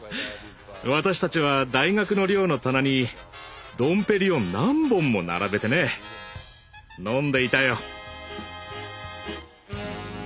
私たちは大学の寮の棚にドンペリを何本も並べてね飲んでいたよ。